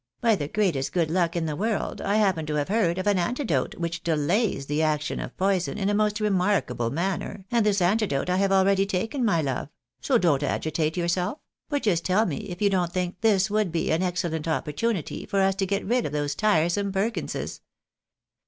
By the greatest good luck in the world I happen to have heard of an antidote which delays the action of poison in a most remarkable manner, and this antidote I have already taken, my love ; so don't agitate yourself ; but just teU me if you don't think this would be an excellent opportunity for us to get rid of those tiresome Perkinses